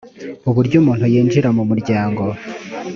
uburyo umuntu yinjira mu muryango